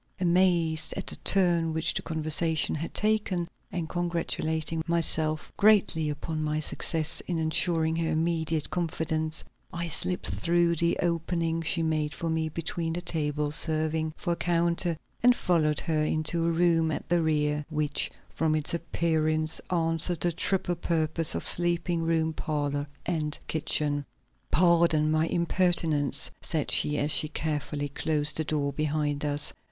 Amazed at the turn which the conversation had taken and congratulating myself greatly upon my success in insuring her immediate confidence, I slipped through the opening she made for me between the tables serving for a counter and followed her into a room at the rear, which from its appearance answered the triple purpose of sleeping room, parlor and kitchen. "Pardon my impertinence," said she, as she carefully closed the door behind us.